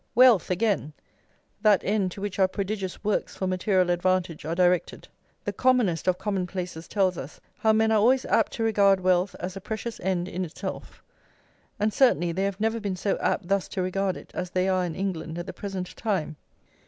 Wealth, again, that end to which our prodigious works for material advantage are directed, the commonest of commonplaces tells us how men are always apt to regard wealth as a precious end in itself; and certainly they have never been so apt thus to regard it as they are in England at the present time.